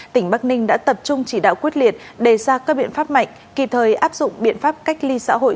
tỉnh bắc ninh đã tập trung chỉ đạo quyết liệt đề ra các biện pháp mạnh kịp thời áp dụng biện pháp cách ly xã hội